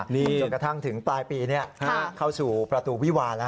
จนกระทั่งถึงปลายปีเข้าสู่ประตูวิวารนะครับ